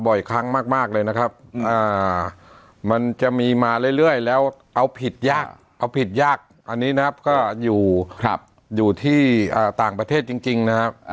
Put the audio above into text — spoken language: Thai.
บ่อยครั้งมากเลยนะครับมันจะมีมาเรื่อยแล้วเอาผิดยากเอาผิดยากอันนี้นะครับก็อยู่ที่ต่างประเทศจริงนะครับ